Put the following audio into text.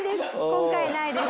今回ないです。